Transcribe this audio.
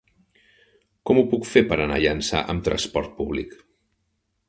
Com ho puc fer per anar a Llançà amb trasport públic?